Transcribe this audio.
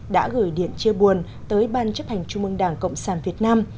đã gửi điện chia buồn tới ban chấp hành trung mương đảng cộng sản việt nam